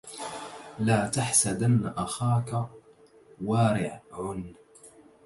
لا تحسدن أخاك وارع